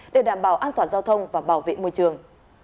để đảm bảo an toàn giao thông và bảo vệ môi trường